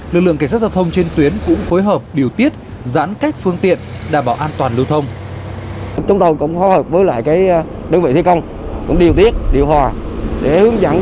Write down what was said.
lực lượng cảnh sát giao thông trên tuyến cũng phối hợp điều tiết giãn cách phương tiện đảm bảo an toàn lưu thông